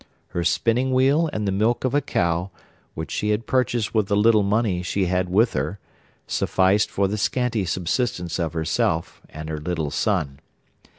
Her spinning wheel and the milk of a cow, which she had purchased with the little money she had with her, sufficed for the scanty subsistence of herself and her little son.